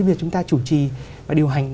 vì chúng ta chủ trì và điều hành